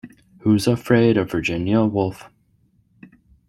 Who's Afraid of Virginia Woolf?